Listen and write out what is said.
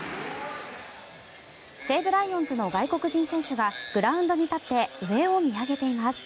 西武ライオンズの外国人選手がグラウンドに立って上を見上げています。